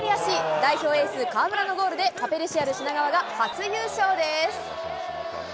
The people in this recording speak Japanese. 代表エース、川村のゴールでパペレシアル品川が初優勝です。